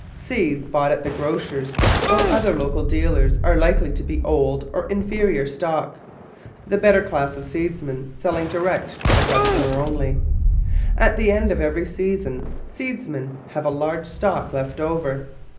Seeds bought at the grocer's or other local dealer's are likely to be old or inferior stock — the better class of seedsmen selling direct to the consumer only. At the end of every season seedsmen have a large stock left over.